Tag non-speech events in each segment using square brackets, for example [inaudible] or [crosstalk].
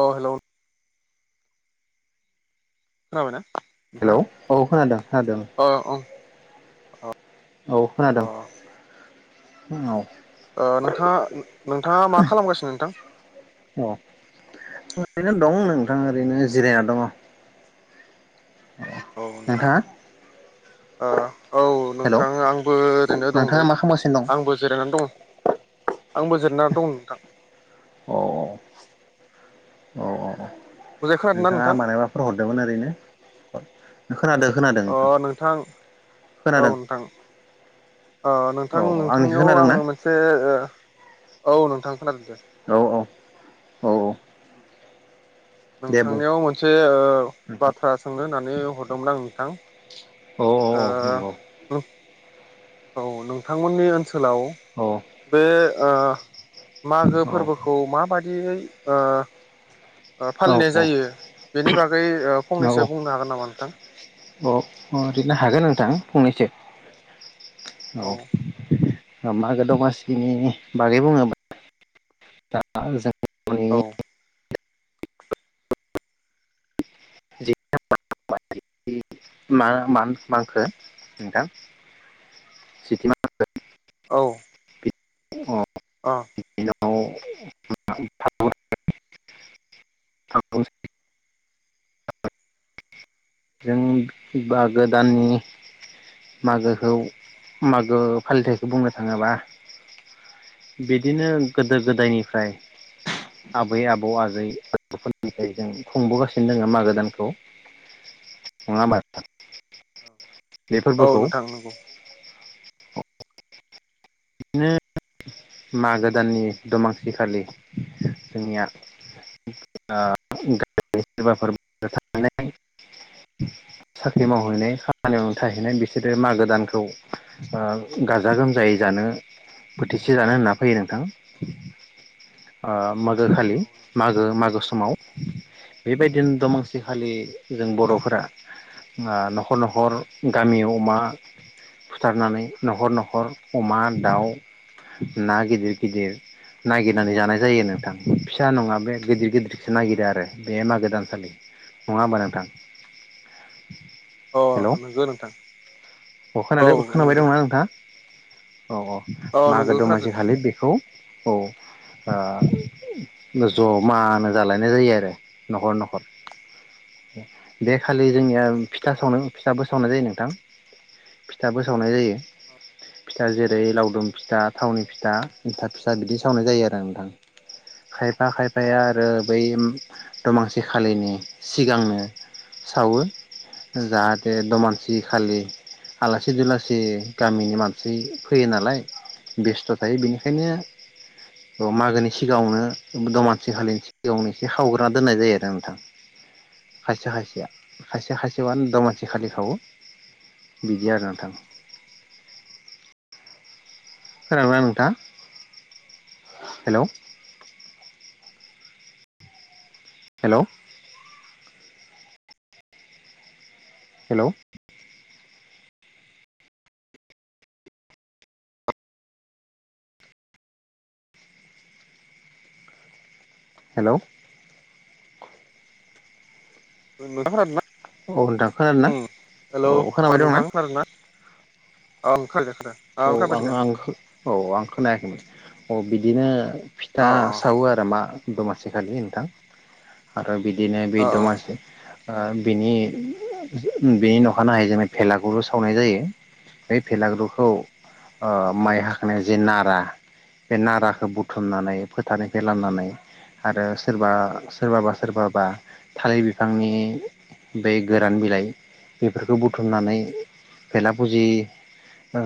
औ हेलौ। खोनाबायना? नोंथां हेलौ औ खोनादों खोनादों। अ ओं अ। औ खोनादों। फुंङाव ओ नोंथाङा नोंथाङा मा खालामगासिनो नोंथां। अ ओरैनो दं नोंथां ओरैनो जिरायना दङ। औ नोंथां नोंथाङा ओ औ हेलौ नोंथां आंबो ओरैनो दं नोंथाङा दे मा खालामगासिनो दं आंबो जिरायनानै दङ आंबो जेराना दं नोंथां औ मोजाङै खोनादोंना नोंथांङा नोंथां माइबाफोर हरदोंमोन ओरैनो खोनादों खोनादों अ नोंथां औ खोनादों नोंथां। ओ औ नोंथां आंनिखौ नोंथांनियाव खोनादोंना आंङो मोनसे ओ औ नोंथां। खोनादों दे औ औ। औ दे बुं नोंथांनियाव मोनसे ओ नोंथां बाथ्रा सोंनो होननानै हरदोंमोन आं औ औ औ नंगौ नोंथां ओ‌ [unintelligible] औ नोंथांमोननि ओनसोल ओनसोलाव औ बे ओ मागो औ फोरबोखौ माबायदि [unintelligible] ओ ओ फालिनाय जायो बेनि बागै ओ औ फंनैसो बुंनो हागोन नामा नोंथां? औ ओरैनो हागोन नोंथां फंनैसो औ औ। मागो दमासिनि बागै बुङोब्ला दा जों औ [unintelligible] मा मा होनखो नोंथां जिथि [unintelligible] औ। अ [unintelligible] [unintelligible] जों मागो दाननि मागोखौ मागो फालिथायखौ बुंनो थांङोबा बिदिनो गोदो गोदायनिफ्राय आबै आबौ आजै [unintelligible] जों खुंबोगासिनो दङ मागो दानखौ नंङा होनबा नोंथां? बे औ फोरबोखौ। नोंथां नंगौ बिदिनो मागो दाननि दमासिखालि जोंनिया ओ [unintelligible] साख्रि मावहैनाय खामानि मावनो थाहैनाय बिसोरो मागो दानखौ गाजा गोमजायै जानो बोथिसे जानो होनना फैयो नोंथां मागो खालि मागो मागो स समाव बेबायदिनो दमासिखालि जों बर'फोरा ओ न'खर न'खर गामियाव अमा फुथारनानै न'खर न'खर अमा दाउ ना गिदिर गिदिर नागिरनानै जानाय जायो नोंथां फिसा नंङा बे गिदिर गिदिरसो नागिरो आरो बे मागो दानसालि नंङा होमबा नोंथां अ हेलौ नंगौ नोंथां अ औ खोनादो खोनाबाय नंगौ दंना नोंथाङा? औ औ अ मागो नंगौ खोनादो दमासि दे खालि बेखौ औ ओ जमानो जालायनाय जायो आरो नखर नखर बे खालि जोंनिया फिथा औ सावनो फिथाबो सावनाय जायो नोंथां फिथाबो सावनाय जायो फिथा जेरै लावदुम फिथा थावनि फिथा एन्थाब फिसा बिदि सावनाय जायो आरो नोंथां खायफा खायफाया आरो बै दमासि खालिनि सिगांनो सावो जाहाथे दमासि खालि आलासि दुलासि गामिनि मान सि फैयो नालाय बेस्थ थायो बेनिखायनो अ मागोनि सिगाङावनो दमानसि खालिनि सिगाङावनो एसे खावग्रोना दोननाय जायो आरो नोंथां खायसे खायसेया खायसे खायसेया दमानसि खालि सावो बिदि आरो नोंथां खोनादोना नोंथांङा हेलौ हेलौ हेलोव हेलोव उ औ नोंथां खोनादो ना हेलौ औ खोनाबाय दंना? ओं [unintelligible] औ आं आं खो औ आं खोनायाखैमोन औ बिदिनो फिथा अ अ सावो आरो मा दमासिखालि नोंथां बिदिनो बे अ अ दमासि ओ बेनि बेनि अखानायै जोनङो बेलागुरु सावनाय जायो बे बेलागुरुखौ ओ माइ हाखनाय जे नारा बे नाराखौ बुथुमनानै फोथारनिफ्राय लाबनानै आरो सोरबा सोरबाबा सोरबाबा थालिर बिफांनि बे गोरान बिलाइ बेफोरखौ बुथुमनानै भेला फुजि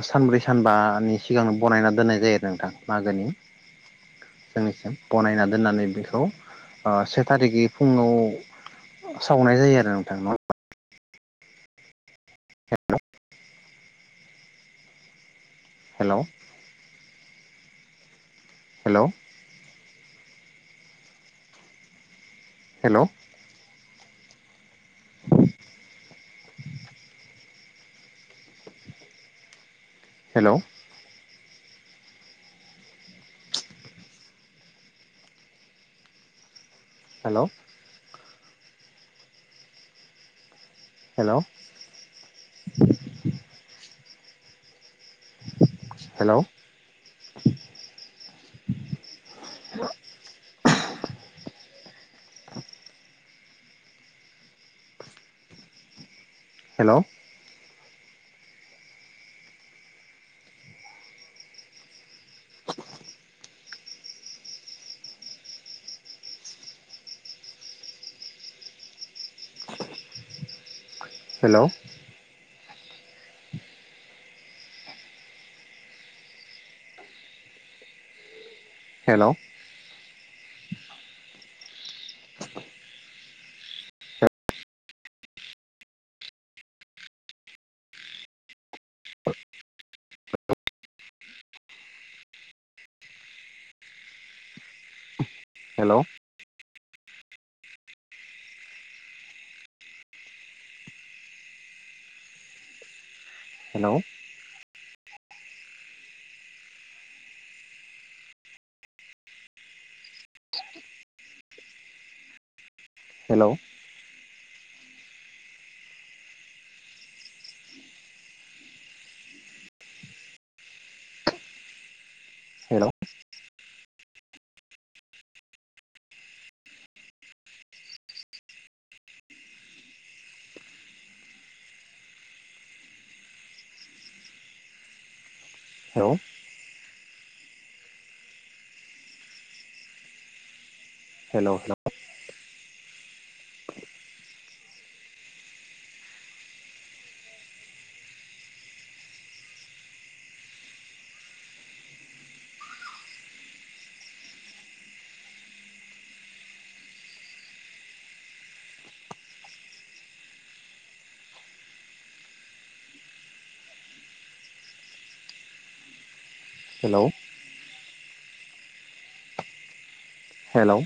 सानब्रै सानबानि सिगांनो बनायना दोननाय जायो आरो नोंथां मागोनि जोंनिसिम बनायना दोननानै बेखौ ओ से थारिखै फुङाव सावनाय जायो आरो नोंथां नङा [unintelligible] hello hello hello hello hello hello hello hello hello hello hello hello hello hello hello hello hello hello hello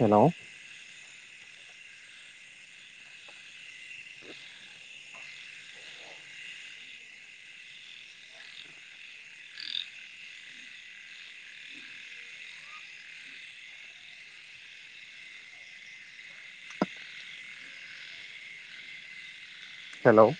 hello hello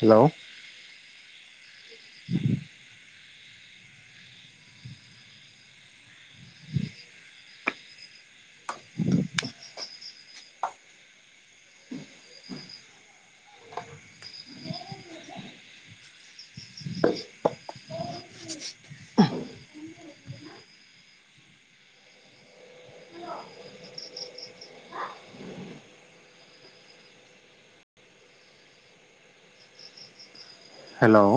hello हेल'